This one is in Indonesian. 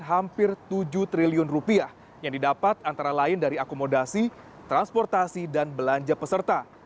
hampir tujuh triliun rupiah yang didapat antara lain dari akomodasi transportasi dan belanja peserta